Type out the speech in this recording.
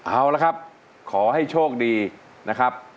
เอาละครับขอให้โชคดีนะครับ